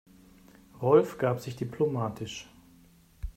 Rolf gab sich diplomatisch.